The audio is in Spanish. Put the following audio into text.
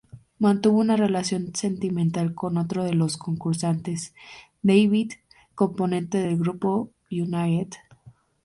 Mantuvo una relación sentimental con otro de los concursantes, David, componente del grupo United.